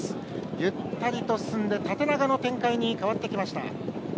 ゆったりと進んで縦長の展開に変わってきました。